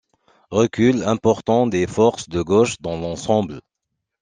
Recul important des forces de gauche dans l'ensemble.